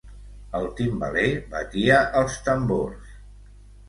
El timbaler batia els tambors.